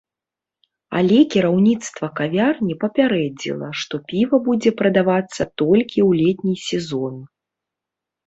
Але кіраўніцтва кавярні папярэдзіла, што піва будзе прадавацца толькі ў летні сезон.